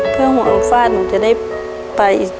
เพื่อห่วงฟาดหนูจะได้ไป